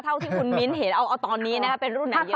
เท่าที่คุณมิ้นท์เห็นเอาตอนนี้นะครับเป็นรุ่นไหนเยอะที่สุดเลย